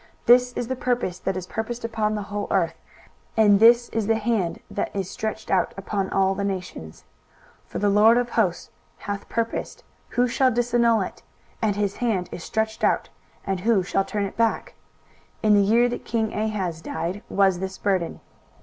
23:014:026 This is the purpose that is purposed upon the whole earth: and this is the hand that is stretched out upon all the nations. 23:014:027 For the LORD of hosts hath purposed, and who shall disannul it? and his hand is stretched out, and who shall turn it back? 23:014:028 In the year that king Ahaz died was this burden.